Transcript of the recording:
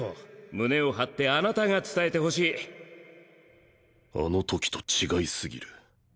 胸を張ってあなたが伝えてほしいあの時と違い過ぎる